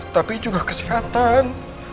tapi juga kesehatan